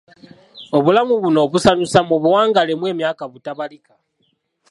Obulamu buno obusanyusa mubuwangaalemu emyaka butabalika.